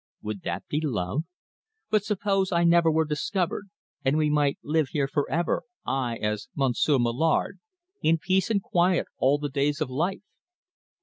Would that be love? But suppose I never were discovered, and we might live here for ever, I as 'Monsieur Mallard,' in peace and quiet all the days of our life?